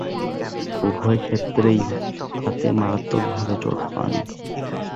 উভয়ক্ষেত্রেই হাতে মারাত্মকভাবে চোট পান।